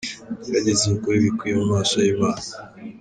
Mugerageze gukora ibikwiye mu maso y’Imana.